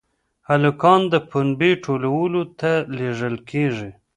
هلکان د پنبې ټولولو ته لېږل کېږي.